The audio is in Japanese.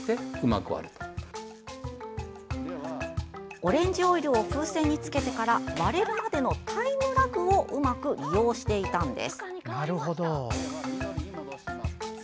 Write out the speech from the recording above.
オレンジオイルを風船につけてから割れるまでのタイムラグをうまく利用していたんです。